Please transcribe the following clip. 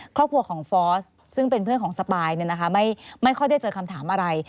ครอบครัวของฟอสซึ่งเป็นเพื่อนของสปายไม่ค่อยได้เจอคำถามอะไร